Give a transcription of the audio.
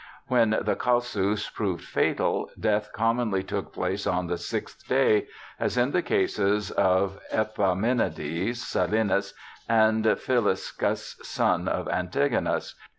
... When the causus proved fatal, death commonly took place on the sixth day, as in the cases of Epaminondas, Silenus, and Philiscus, son of Antagonas.